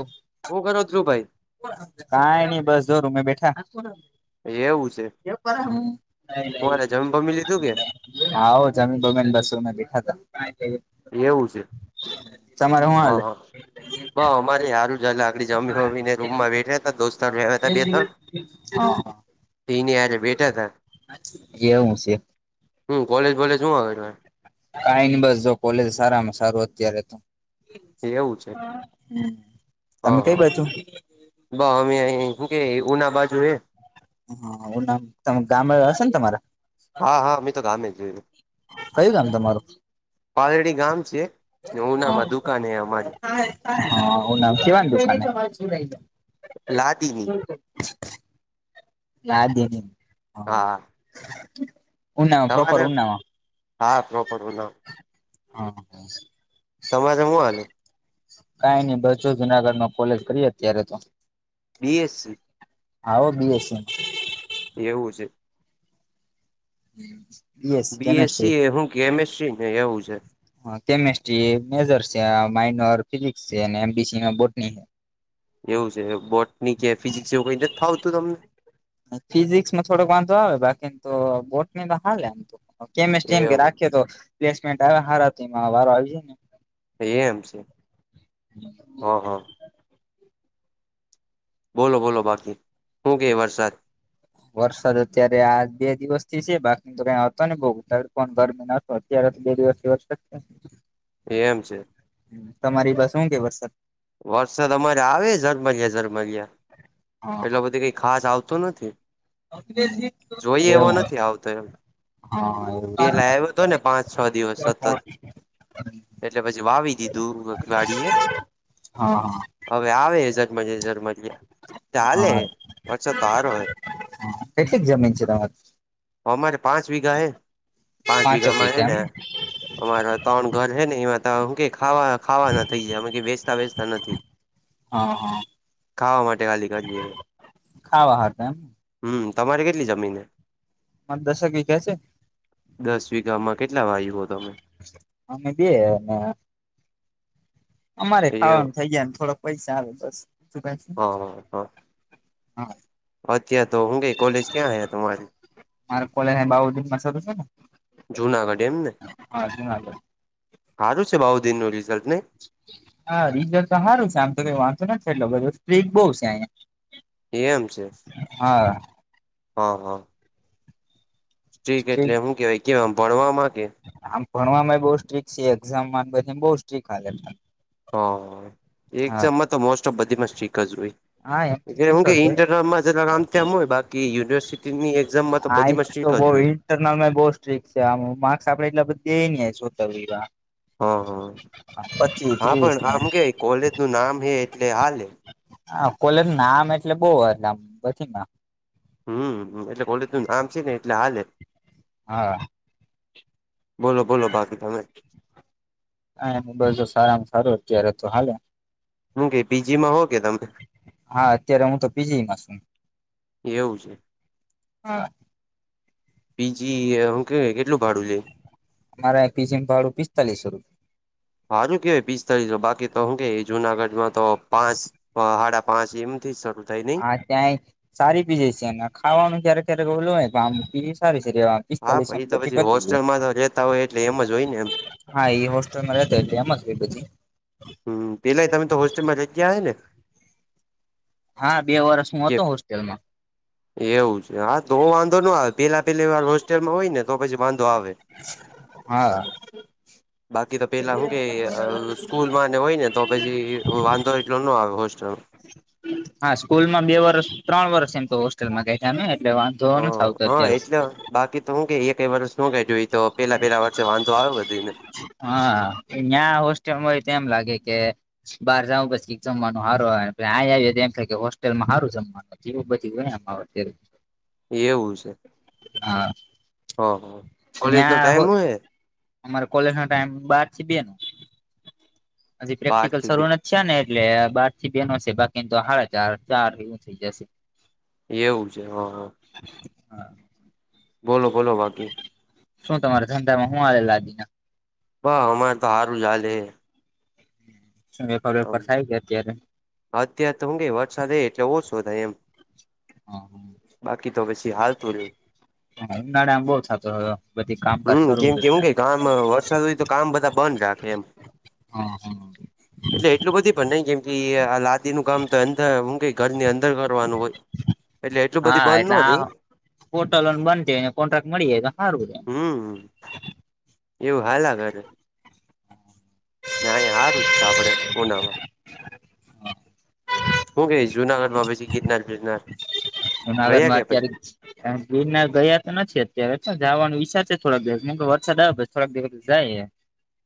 ઉ હુ કરો ધ્રુવ ભાઈ કાંઈ ની બસ જો રૂમે બેઠા એવું છે તમારે જમી બમી લીધું કે [unintelligible] આવો [unintelligible] દેખાતા [unintelligible] એવું સે હું હાલે હ હ અમારે હારુ જ લાકડી જમી બમીને રૂમમાં બેઠા હતા. દોસ્તાર બી આયવા તા બે તણ ઈની હારે બેઠા તા એવું છે હું કોલેજ વોલેજ હું આવે [unintelligible] કાંઈ ની બસ જો કોલેજ સારામાં સારું અત્યારે તો એવું છે હાં હં તમે હા કઈ હા બાજુ? બ અમે અઈ હુ કે ઉના બાજુ હે હાં ઉનામા તમ ગામડે હશે ને તમારે હા હા અમે તો ગામે જ જોયું કયું ગામ તમારું? પાલડી ગામ છે. ને ઉનામાં દુકાન હે અમારી હં [unintelligible] લાદીની લાદીની હા. ઉનાવા પ્રોપર તમારે ઉનાવા. હા, પ્રોપર બધો હા, તમારે હું આલ્યું. કઈ નઈ બસો જુનાગઢનું કોલેજ કરીએ, અત્યારે તો બી એસ સી. આહો બી એસસી. એવું છે. હમ. બીએસસી એ હું કેમેસ્ટ્રીને એવું છે. હ કેમેસ્ટ્રી એ મેજર છે આ માઇનર ફિઝિકસ છે અને એમબીસી બોટની હે. એવું છે બોટની કે ફિઝિક્સ એવું કઈ નથ ફાવતું તમને. ફિઝિક્સમાં થોડોક વાંધો આવે. બાકીન તો બોટની તો હાલે એમ તો. કેમેસ્ટીયન એવું રાખ્યો તો પ્લેસમેન્ટ હારમાં વારો આવી જાયને. એમ છે, હા- હા. બોલો-બોલો બાકી હું કેય વરસાદ? વરસાદ અત્યારે આજ બે દિવસથી છે. બાકીનો કઈ હતો ને બઉ ઉ પણ ગરમીનું તો અત્યારે તો બે દિવસથી વરસાદ છે. એ એમ છે. તમારી બસ હું કે વરસાદ વરસાદ અમારે આવે ઝરમરીયા-ઝરમરીયા. હા એટલે બધી કઈ ખાસ આવતો નથી. જોઈયે એવો એવું નથી આવતો એમ. હા એવું પહેલા આવ્યો હતોને, પાંચ છ દિવસ સતત. છે. એટલે પછી વાવી દીધું [unintelligible] વાડીએ. હા-હા. હવે, આવે ઝગમગ ઝગમરીયા. ચાલે, હા હા વરસાદ તો હારો હે. કેટલીક જમીન છે તમારી અમારે પાંચ વીઘા હે. પાંચ પાંચક વીઘામાં હે વીઘા ને એમને અમારા ત્રણ ઘર હેને એમાં તે હું કેય ખાવા ખાવાના થઈ જાય. [unintelligible] વેંચતા નથી. હા હા ખાવા માટે ખાલી કરીયે. ખાવા હાતે એમ. હમ, તમારી કેટલી જમીન હે. આઠ દશેક વિઘા છે. દસ વીઘામાં કેટલા વાયુ હો તમે. અમે બે અને અમારે એ ખાવાનું થઇ જાય ને થોડાક પૈસા આવે બસ બીજું કાંઈ. હ -હ. હા. અત્યારે તો હું કેય કોલેજ ક્યાં હે તમારી. મારે કોલેજ બાઉદીન [unintelligible] છેને. જુનાગઢ એમને. હારુ છે બાઉદીન નું રિઝલ્ટ નઈ. હા, રીઝલ તો હારુ છે આમ તો કઈ વાંધો નથી એટલો બધો સ્ટ્રીક બહુ છે અહીંયા. એમ છે હા હ- હ. ઠીક એટલે સ્ટ્રીક હું કહેવાય કેવાય કહો ભણવામાં કે. આમ ભણવામાં એ બઉ સ્ટ્રીક છે એક્ઝામ માને બધે બહુ સ્ટીક હાલે બધા. હ, એકઝામ માં તો મોસ્ટ ઓફ બધી માં સ્ટ્રીક જ હોય. હા એમ [unintelligible] એ હું કે હોય ઇન્ટર્નલમાં માં જરાક આમ તેમ હોય બાકી યુનિવર્સિટી ની એક્ઝામમાં તો બધી મા સ્ટીક બઉ ઇન્ટરનલ માં બહુ સ્ટ્રીિક છે આમ માર્ક્સ આપડે એટલા બધીયે [unintelligible] એ નીય છોતેર એવા હા હા [unintelligible] પચીસ હા ત્રીસ પણ ને આમ કે કોલેજ નું નામ હે એટલે આજ હા આ કોલેજ નામ એટલે બહુ એટલે [unintelligible] બછીમાં હા હમ એટલે કોલેજ નું નામ છે ને એટલે હાલે હા બોલો બોલો બાકી તમે હા એમતો સારામાં સારું અત્યારે તો હાલે હું કે પીજીમાં હો કે તમે હા અત્યારે તો હું પીજીમાં છું એવું છે હા પીજી એ હુ કેવાય શું કહેવાય કેટલું ભાડું લે મારે આય પીજી ભાડું પિસ્તાલીસો સારુ કેવાય પિસ્તાલીસો બાકી તો શું કે જુનાગઢમાં તો પાંચ સાડા પાંચ એમ થી શરૂ થાય નઈ હા ક્યાંય સારી પીજી છે ખાવાનું ક્યારેક ક્યારેક ઓલું હોય પણ આમ પીજી સારી છે રહેવા માટે હા પછી તો પછી હોસ્ટેલમાં તો રેતા હોય એટલે એમ જ હોય ને એમ હા એ હોસ્ટેલ માં રહેતા હોય એટલે એમ જ હોય બધે હમ પેલાય તમે તો હોસ્ટેલમાં રહી ગયા હોય ને હા બે વર્ષ હું કે હતો હોસ્ટેલમાં એવું છે હા તો વાંધો નો આવે પેલા પેલી વાર હોસ્ટેલમાં હોય ને તો પછી વાંધો આવે [unintelligible] હા બાકી તો પેલા શું કે અ સ્કૂલમાં ને હોય ને તો પછી વાંધો એટલો નો આવે હોસ્ટલ માં હા સ્કૂલમાં બે વર્ષ ત્રણ વર્ષ એમ તો હોસ્ટેલમાં કાઢ્યાને એટલે વાંધો હ વાંધો નથ આવતો હા અત્યારે એટલે બાકી તો હું કે એકય વર્ષનો કે જોઈ તો પેલા પેલા વચ્ચે વાંધો આવે બધાને હા ન્યા હોસ્ટેલમાં હોય તો એમ લાગે કે બહાર જાવ તો પછી જમવાનું સારું આવે અને આય આવે તો એમ થાય કે હોસ્ટેલમાં સારું જમવાનું [inaudible] એવું છે હ કોલેજનો ત્યાં હો ટાઈમ હોય અમારે કોલેજ નો ટાઈમ બાર થી બે નો હજી બાર પ્રેક્ટીકલ થી બે શરૂ નથ થ્યા ને એટલે બાર થી બેનો છે બાકીતો ચાર સાડા ચાર એવું થઈ જશે એવું છે હ હ [inaudible] હા બોલો બોલો બાકી શું તમાર ધંધામાં હું હાલે [inaudible] બહ હમારે તો હારુ જ હાલે હે વેપાર બેપાર થાય કે અત્યારે અત્યાર તો હું કે વરસાદ હે એટલે ઓછો થાય એમ હા બાકી તો પછી હાલતું રે ઉનાળામાં બઉ થાતો બધી કામકાજ હમ શરૂ કેમ કે હું હોયને કે કામ વરસાદ હોય તો કામ બધા બંધ રાખે એમ. હા એટલે એટલું બધી પણ નહી ગમ એ આ લાદી નું કામ તો અંદર હું કે ઘરની અંદર કરવાનું હોય. એટલે એટલુ બધી બંધ ન રે. પોર્ટલ અને બંધ [unintelligible] કોન્ટ્રાક્ટ મળી જાય તો હારું [unintelligible] હમ. એવું હાલા [unintelligible] ના આયા હારું જ સે આપડે. [unintelligible] હું કેય જુનાગઢમાં પછી ગિરનાર ફિરનાર [unintelligible] અત્યારેજ ગીરનાર ગયા તો નથી અત્યારે [unintelligible] જવાનું વિચાર છે થોડાક દિવસ મ વરસાદ આવે પછ થોડાક દિવસ જાયે.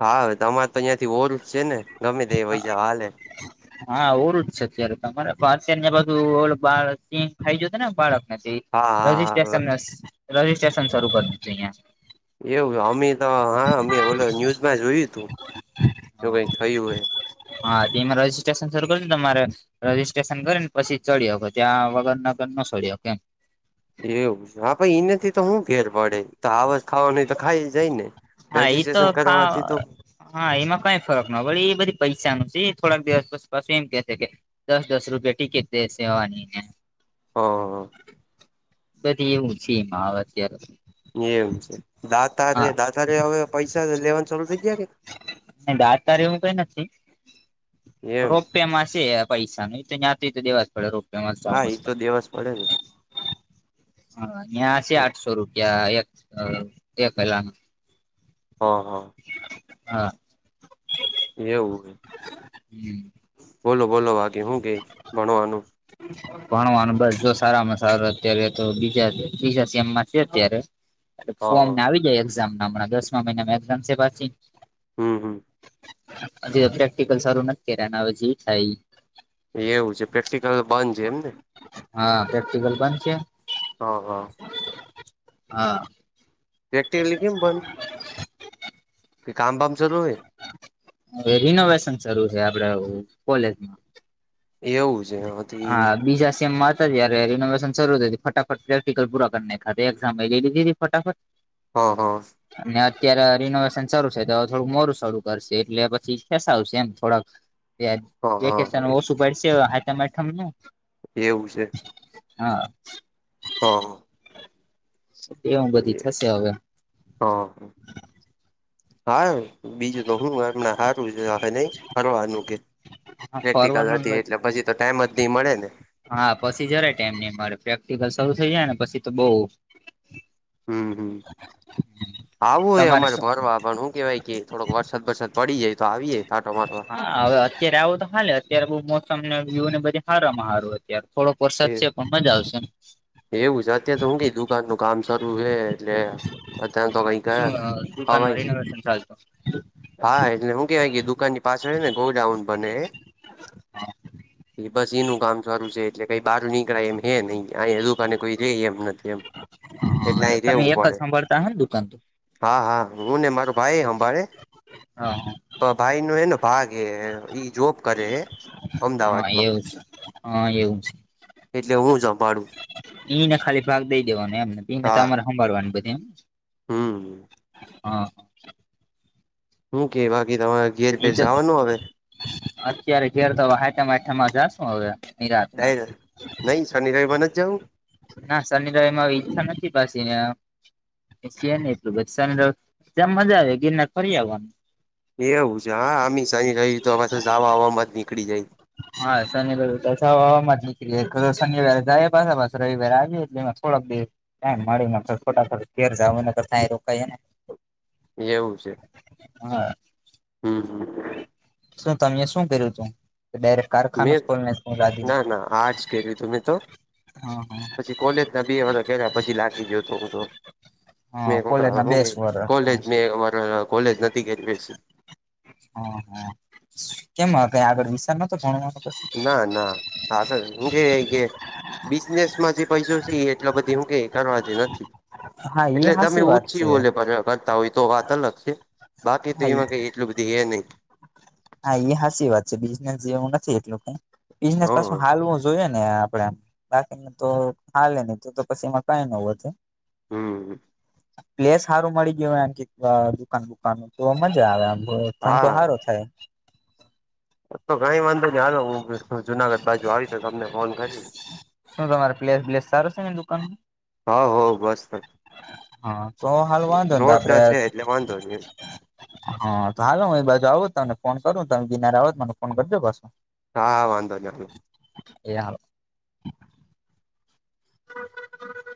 હાવે તમારે તો અહીયાં થી [unintelligible] જ છે ને, ગમે તે વય જવા હાલે. હા ઓરું જ છે અત્યારે તમારે [unintelligible] બાધું ઓળ બાળ સિંહ ખાઈ જતે ને બાળક હા [inaudible] હા હા રજીસ્ટ્રેશન શરૂ કરવું છે અહિયાંથી. એવું અમે તો હા અમે ઓલ ન્યૂઝમાં જોયું ઉતું, હવે અહિયાં થયું [unintelligible] હા તેમાં રજિસ્ટ્રેશન શરૂ કયરૂ તમારે? રજીસ્ટ્રેશન કરીને પછી ચડ્યો કે ત્યાં વગર નગર ન છડ્યો કેમ એવું છે હ પ ઈને થી તો હું ફેર પડે ત આવા [unintelligible] તો ખાઈ જાય ને? હા એઈ તો રજીસ્ટ્રેશન ખા, કરવાથી તો હા એમાં કઈ [unintelligible] ઈ બધી પૈસાનું છે, થોડાક દિવસ પસી પાસુ એમ કેસે કે દસ દસ રૂપિયા ટિકિટ દેસે આવાની. હ. બધી એવું છે એમાં. આવે અત્યારે એમ છે દાતારે હા દાતારે હવે પૈસા લે લેવાનું ચાલુ થઇ ગયા કે? ન દાતારે એવું કઈ નથી. એમ રોપવેમાં સે પૈસાન [unintelligible] એ દેવા જ પડે રો [inaudible] હા એ તો દેવા જ પડે ને [inaudible] સે આઠસો રૂપિયા એક એકેલાના. હ. હા. એવું? હમ. બોલો બોલો બાકી હુ કેય? ભણવાનું. ભણવાનું બસ જો સારામાં સારું અત્યારે તો બીજા ત્રીજા સેમમાં છે અત્યારે. [unintelligible] હા ફોર્મ ને હા આવી જાય એક્ઝામ ના હમણાં દસમા મહિના એામ છે પાછી. હમ, હમ. જે પ્રેક્ટિકલ સારું નથી કર્યા ને હવે જી થાય ઈ. એવું છે પ્રેક્ટિકલ બંધ છે એમને, હા પ્રેક્ટિકલ બંધ છે હ, હા. [inaudible] હા. [unintelligible] કેમ બંધ? [inaudible] કે કામ બામ શરૂ ને? [inaudible] રિનોવેશન શરૂુ થયા આપડે કોલેજ એવું છે હજી [unintelligible] બીજા સેમમાં જ [unintelligible] કર્યા રિનોવેશન શરૂ થઈ ગયું ફટાફટ પ્રેક્ટિકલ પૂરા કર નાઈખા તે એક્ઝામ [unintelligible] એ લીધીરી ફટાફટ. હ હ. ને અત્યાર રિનોવેશન ચલુ છે, તો થોડું મોરું શરૂ કરશે એટલે પછી ખેસાવશે એમ થોડાક [unintelligible] હા હા વેકેશન ઓશું પડશે. હાતમ-આઠમનું એવું છે? હા. હ હ. એવું બધી થશે હવે. હા. [unintelligible] બીજું તો હુ હમણાં હારું છે હવે નઈ, ફરવાનું કે પ્રેક્ટિકલ ફરવાનું હતી એટલે પછી તો ટાઈમ નહી મળેને. હા, પછી જરાય ટાઈમ નહી મળે. પ્રેક્ટિકલ શરૂ થઇ જાયને પછી તો બઉ. હમ્મ હમ્મ. આવવું હોય તમારે અમારે શું ફરવા પણ હુ કેવાય કે થોડોક વરસાદ-બરસાદ પડી જાય, તો આવીએ આટો મારવા. હા. હવે, અત્યારે આવો તો હાલે. અત્યારે બહુ મોસમને વ્યુને બધી હારામાં હારું અત્યારે. થોડોક વરસાદ એ છે પણ મજા આવશે એમ. ઘરનું કામ ચાલુ હે એટલે અત્યારે તો હા, કઈ શું ગયા અ અવાય દુકાનમાં નહી રિનોવેશન ચાલતું. હા, એટલે હુ કેવાય કે દુકાનની પાછળ હે ને ગોડાાઉન બને હે બસ ઈનું કામ ચાલુ છે. એટલે કઈ બહાર નીકળાય એમ હે નહી. અહીં દુકાને કોઈ રે એમ નથી એમ. એટલે હા અહીં તમે રેવું એક જ પડે સાંભળતા હ ને દુકાન તો હા હા. હું ને મારો ભાઈ હંભાળે. હા હ. તો ભાઈનો હેને ભાગ હે. ઈ જોબ કરે હે. હા, અમદાવાદમાં એવું છે. હા, એવું છે. એટલે હું જ હંભાળું. ઈને ખાલી ભાગ દઈ દેવાનો એમ. ઈને તમારે હંભાળવાની બધી એમ. હમ્મ. હા. હું કે બાકી તમારે એ ઘેર-બેર તો જાવાનું હવે? અત્યારે ઘેર તો હવે હાતમ-આઠમમાં જાશું હવે નિરાતના [unintelligible] નહી શનિ-રવિમાં નથ જાઉ. ના, શનિ-રવિમાં ઈચ્છા નથી [unintelligible] શે નઈ [unintelligible] શનિ-રવ ત્યાં મજા આવે ગિરનાર ફરી આવવાનું. એવું છે. હા, અમી શનિ-રવિ તો પાસું જાવા આવામાં જ નીકળી જાય. હા, શનિ-રવિ તો જાવા-આવામાં જ નીકળી જાય. [unintelligible] શનિવારે જાય પાસા પાસ રવિવારે આવીએ [unintelligible] થોડાક દ મળીને ખોટા થ ઘેર જાવ એના અહીંયા તો થાય. રોકાયને એવું છે? હમ્મ હ. શું તમે શું કર્યું તું? ડાયરે મે ના ના, આટૅસ કર્યું હતું મે તો હ હ. પછી કોલેજના બે વરહ કર્યા. પછી લાગી જ્યો તો હું તો. ને હા કોલેજ ખોટા ના હુ કે બેસ વર્ષ કોલેજ મેં અમારે કોલેજ નથી કરવી [unintelligible] હ હ, કેમ અ કઈ આગળ વિસાર નતો ભણવા ના ના આગળ હું ગેય લાઈગી બિઝનેસ માંથી પૈસો છે એટલો બધી હું કેય કરવા જેવો નથી. હા એટલે એ તમે હાસી વાત છે ઉછી ઓલે પણ [inaudible] કરતા હોય તો વાત અલગ છે, બાકી તો હા એમાં કઈ એટલું બધી હે નહી. હા એ સાચી વાત છે બિઝનેસ જેવું નથી એટલું હ બિઝનેસ પાછું હાલવો જોઈય ને આ આપડા બાકીને તો હાલે ન ત તો પછી માં કઈ ન હો હમ. પ્લેસ સારું મળી ગયું [unintelligible] દુકાન બુકાન તો મજા આવે આમ તો સારો હા છે. તો કઈ વાંધ હાલો હું [unintelligible] જુનાગઢ બાજુ આવી તો તમને ફોન કરી. શું તમારે પ્લેર હા હો બસ બસ. હા તો હાલ વાંધો ને તો રોડ ટચ આપડે છે એટલે વાંધો નહી એમ. હા તો હાલો હું એ બાજુ આવુ તમને ફોન કરું તમે ગિનારે આવો તો મને ફોન કરજો પાછો. હા હા વાંધો નહીં. એ હ.